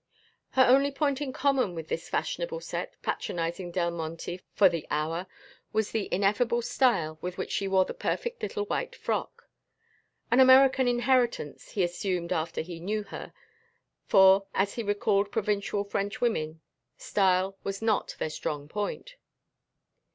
Her only point in common with this fashionable set patronizing Del Monte for the hour, was the ineffable style with which she wore her perfect little white frock; an American inheritance, he assumed after he knew her; for, as he recalled provincial French women, style was not their strong point.